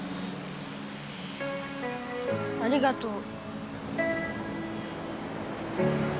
ありがとう。